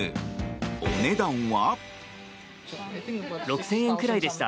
お値段は？